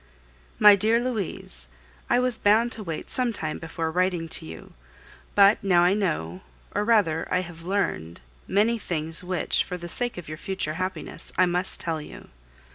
My dear Louise, I was bound to wait some time before writing to you; but now I know, or rather I have learned, many things which, for the sake of your future happiness, I must tell you.